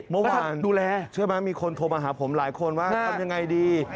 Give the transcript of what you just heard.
เมื่อวานดูแลเชื่อไหมมีคนโทรมาหาผมหลายคนว่าทำยังไงดี